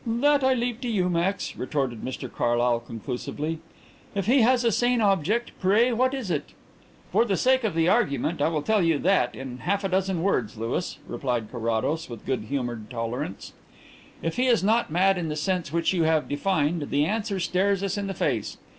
"That I leave to you, Max," retorted Mr Carlyle conclusively. "If he has a sane object, pray what is it?" "For the sake of the argument I will tell you that in half a dozen words, Louis," replied Carrados, with good humoured tolerance. "If he is not mad in the sense which you have defined, the answer stares us in the face.